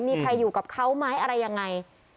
มีใครอยู่กับเขาไหมอะไรยังไง